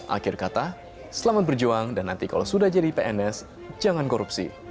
akhir kata selamat berjuang dan nanti kalau sudah jadi pns jangan korupsi